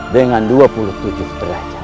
dengan dua puluh tujuh derajat